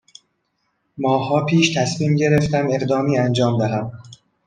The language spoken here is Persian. ماهها پیش تصمیم گرفتم اقدامی انجام دهم